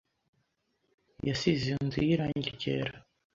yasize inzu ye irangi ryera.